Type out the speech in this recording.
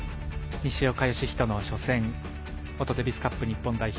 西岡良仁の初戦元デビスカップ日本代表